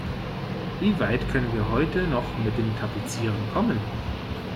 Wie weit können wir heute noch mit dem Tapezieren kommen?